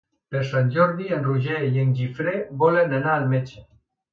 Per Sant Jordi en Roger i en Guifré volen anar al metge.